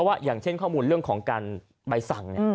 อย่างเช่นข้อมูลเรื่องของการใบสั่ง